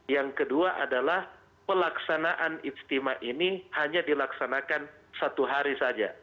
yang kedua adalah pelaksanaan ijtima ini hanya dilaksanakan satu hari saja